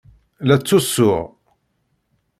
La ttusuɣ.